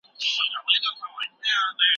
موسیقي یو نړیوال ژبه ده.